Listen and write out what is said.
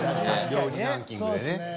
料理ランキングでね。